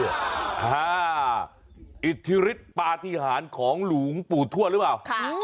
อืออออิทริปลาที่หานของหลุงปุทั่วหรือเปล่า